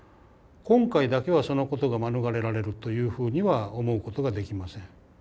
今回だけはそのことが免れられるというふうには思うことができません。